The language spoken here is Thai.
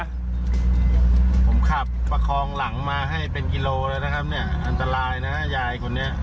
ผมขับประคองหลังมาให้เป็นกิโลแล้วนะครับเนี่ย